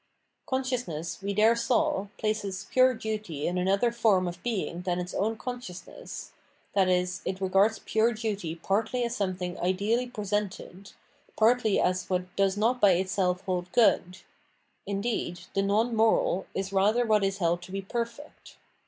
Consciousness, we there saw, places pure duty in another form of being than its own consciousness, i.e. it regards pure duty partly as some thing ideally presented, partly as what does not by itself hold good — indeed, the non moral is rather what is held to be perfect.